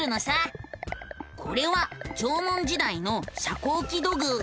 これは縄文時代の遮光器土偶。